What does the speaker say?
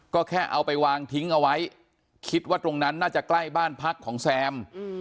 ก็แค่เอาไปวางทิ้งเอาไว้คิดว่าตรงนั้นน่าจะใกล้บ้านพักของแซม